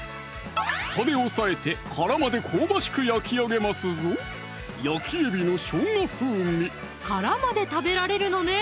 ふたで押さえて殻まで香ばしく焼き上げますぞ殻まで食べられるのね